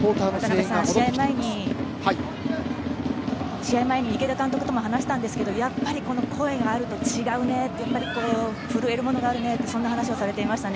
渡辺さん、試合前に池田監督とも話したんですけどやっぱり声があると違うね震えるものがあるねとそんな話をされていました。